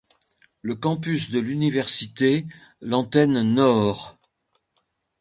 Le campus de l'université, l'antenne nord.